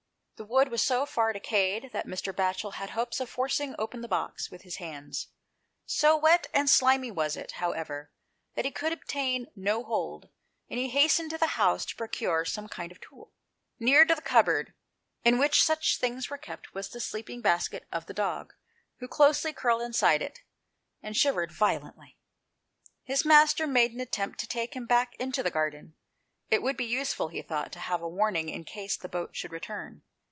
The wood was so far decayed that Mr. Batchel had hopes of forcing open the box with his hands; so wet and slimy was it, however, that he could obtain no hold, and he hastened to the house to procure some kind of tool. Near to the cupboard in which such 166 THE PLACE OE SAPETT. things were kept was the sleeping basket of the dog, who was closely curled inside it, and shivering violently. His master made an attempt to take him back into the garden; it would be useful, he thought, to have warning in case the boat should return.